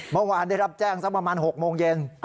เมื่อวานได้รับแจ้งสักประมาณ๖โมงเย็น